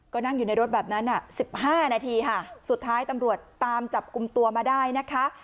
ก็นั่งอยู่ในรถแบบนั้น๑๕นาทีค่ะสุดท้ายตำรวจตามจับกลุ่มตัวมาได้นะคะ